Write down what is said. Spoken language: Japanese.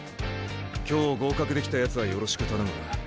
今日合格できたやつはよろしく頼む。